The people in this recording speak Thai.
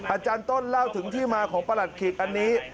อาจารย์ต้นเล่าถึงที่มาของประหลัดขีกอันนี้